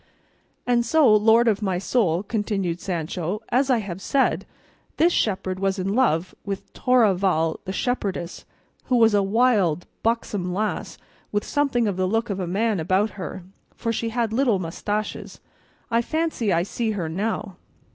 "And so, lord of my soul," continued Sancho, as I have said, this shepherd was in love with Torralva the shepherdess, who was a wild buxom lass with something of the look of a man about her, for she had little moustaches; I fancy I see her now."